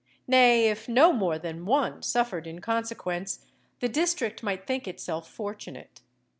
Nay, if no more than one suffered in consequence, the district might think itself fortunate.